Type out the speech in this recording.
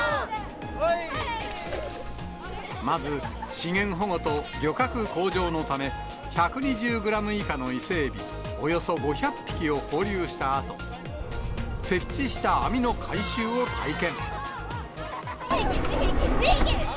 まず、資源保護と漁獲向上のため、１２０グラム以下のイセエビおよそ５００匹を放流したあと、２匹。